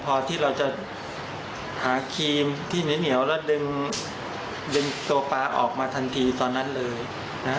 พอที่เราจะหาครีมที่เหนียวแล้วดึงดึงตัวปลาออกมาทันทีตอนนั้นเลยนะฮะ